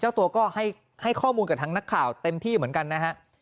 เจ้าตัวก็ให้ข้อมูลกับทางนักข่าวเต็มที่เหมือนกันนะฮะ